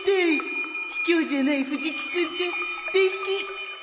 ひきょうじゃない藤木君ってすてき